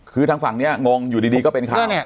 คือทางฝั่งนี้งงอยู่ดีก็เป็นข่าวเนี่ย